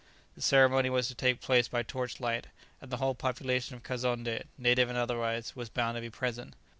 The ceremony was to take place by torch light, and the whole population of Kazonndé, native and otherwise, was bound to be present.